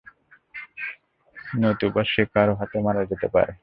নতুবা সে কারো হাতে মারা যেতে পারে।